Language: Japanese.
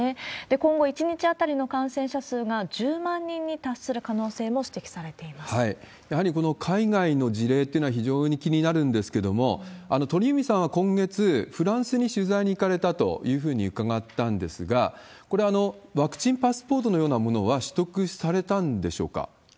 今後１日当たりの感染者数が１０万人に達する可能性も指摘されてやはりこの海外の事例というのは非常に気になるんですけれども、鳥海さんは今月、フランスに取材に行かれたというふうに伺ったんですが、これ、ワクチンパスポートのようなものは取得されたんでしょうか？